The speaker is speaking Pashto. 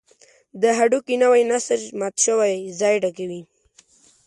د هډوکي نوی نسج مات شوی ځای ډکوي.